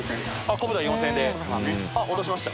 コブダイ４０００円で落としました？